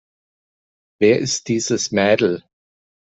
Wer ist dieses Mädel?